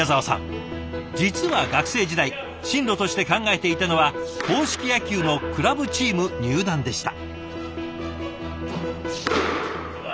実は学生時代進路として考えていたのは硬式野球のクラブチーム入団でした。